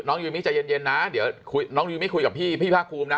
น้องยูมิใจเย็นนะเดี๋ยวน้องยูมิคุยกับพี่พ่อคุมนะ